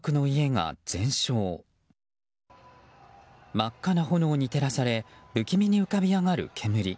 真っ赤な炎に照らされ不気味に浮かび上がる煙。